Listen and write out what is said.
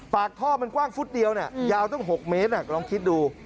ปากท่อมันกว้างฟุตเดียวยาวตั้ง๖เมตรลองคิดดู